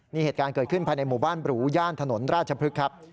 นี่เหตุการณ์เกิดขึ้นภายในหมู่บ้านบรูย่านถนนราชพฤกษ์ครับ